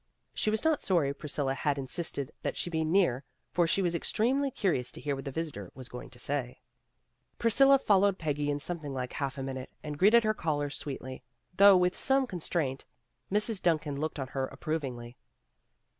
She was not sorry Priscilla had in sisted that she be near, for she was extremely curious to hear what the visitor was going to say. Priscilla followed Peggy in something like MISTRESS AND MAID 151 half a minute, and greeted her caller sweetly, though with some constraint. Mrs. Duncan looked her over approvingly.